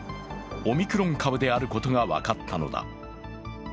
オミクロン株であることが分かったのだ。